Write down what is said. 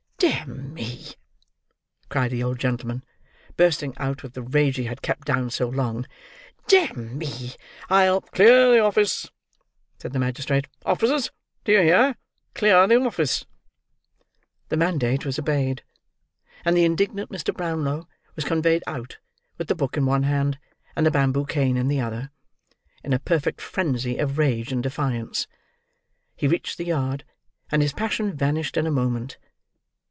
"D—n me!" cried the old gentleman, bursting out with the rage he had kept down so long, "d—n me! I'll—" "Clear the office!" said the magistrate. "Officers, do you hear? Clear the office!" The mandate was obeyed; and the indignant Mr. Brownlow was conveyed out, with the book in one hand, and the bamboo cane in the other: in a perfect phrenzy of rage and defiance. He reached the yard; and his passion vanished in a moment.